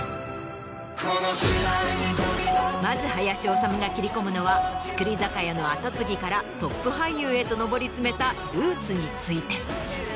まず林修が切り込むのは造り酒屋の跡継ぎからトップ俳優へと上り詰めたルーツについて。